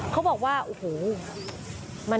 เขาบอกว่าโอ้โห